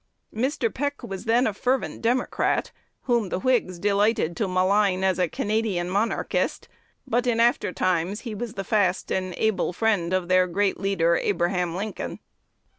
Mr. Peck was then a fervent Democrat, whom the Whigs delighted to malign as a Canadian monarchist; but in after times he was the fast and able friend of their great leader, Abraham Lincoln.